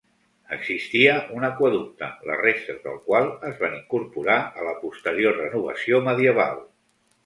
Existia un aqüeducte, les restes del qual es van incorporar a la posterior renovació medieval.